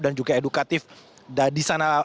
dan juga edukatif di sana